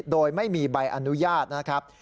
โดยไม่มีใบอนุญาตนะครับ